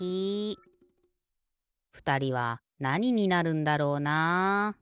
ふたりはなにになるんだろうな。